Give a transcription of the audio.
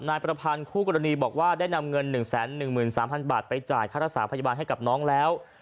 นายประพันธ์คู่กรณีบอกว่าได้นำเงินหนึ่งแสนหนึ่งหมื่นสามพันบาทไปจ่ายค่าทักษะภัยบาลให้กับน้องแล้ว